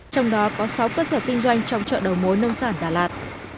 trong đó có sáu cơ sở kinh doanh trong chợ đầu mối nông sản đà lạt